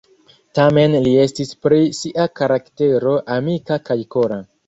Tamen li estis pri sia karaktero amika kaj kora.